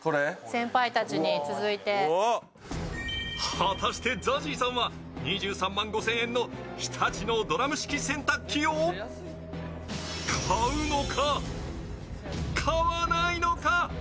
果たしてＺＡＺＹさんは２３万５０００円の日立のドラム式洗濯機を買うのか、買わないのか？